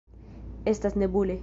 Estas nebule.